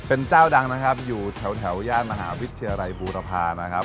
เป็นเจ้าดังนะครับอยู่แถวย่านมหาวิทยาลัยบูรพานะครับ